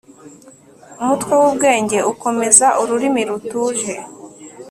umutwe wubwenge ukomeza ururimi rutuje